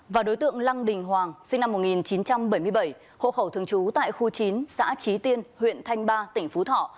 và đối tượng lăng đình hoàng sinh năm một nghìn chín trăm bảy mươi bảy hộ khẩu thường trú tại khu chín xã trí tiên huyện thanh ba tỉnh phú thọ